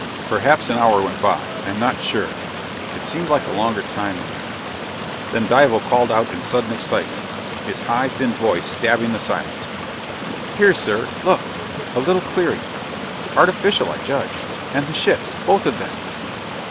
Perhaps an hour went by. I am not sure. It seemed like a longer time than that. Then Dival called out in sudden excitement, his high, thin voice stabbing the silence: "Here, sir! Look! A little clearing artificial, I judge and the ships! Both of them!"